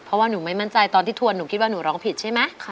เพราะว่าหนูไม่มั่นใจตอนที่ทวนหนูคิดว่าหนูร้องผิดใช่ไหม